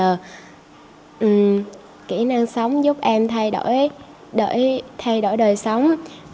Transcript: em học kỹ năng sống giúp em thay đổi đời sống